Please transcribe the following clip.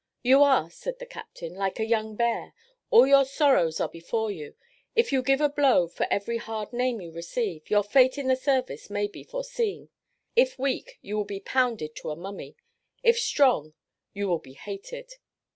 "You are," said the captain, "like a young bear; all your sorrows are before you; if you give a blow for every hard name you receive, your fate in the service may be foreseen: if weak you will be pounded to a mummy if strong, you will be hated.